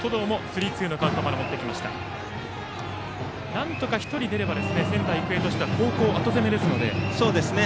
なんとか１人出れば仙台育英としては後攻めですのでね。